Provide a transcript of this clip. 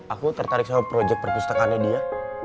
aku tertarik sama proyek perpustakaannya dia